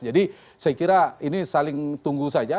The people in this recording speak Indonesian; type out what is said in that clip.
jadi saya kira ini saling tunggu saja